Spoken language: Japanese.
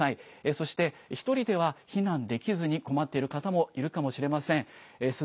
そして１人では避難できずに困っている方もいるかもしれません。